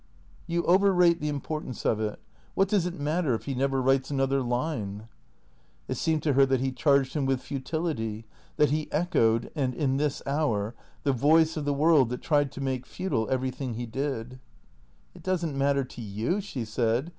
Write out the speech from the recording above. "You overrate the importance of it. What does it matter if he never writes another line ?" It seemed to her that he charged him with futility, that he echoed — and in this hour !— the voice of the world that tried to make futile everything he did. " It does n't matter to you," she said.